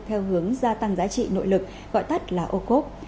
theo hướng gia tăng giá trị nội lực gọi tắt là ô cốp